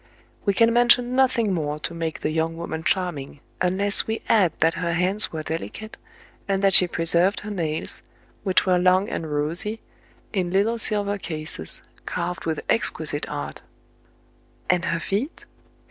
We can mention nothing more to make the young woman charming, unless we add that her hands 54 TRIBULATIONS OF A CHINAMAN, were delicate, and that she preserved her nails, which were long and rosy, in little silver cases, carved with exquisite art. And her feet